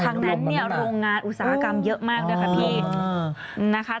ครั้งนั้นเนี่ยโรงงานอุตสาหกรรมเยอะมากด้วยค่ะพี่นะคะ